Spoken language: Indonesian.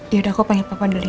ya udah aku panggil papa dulu ya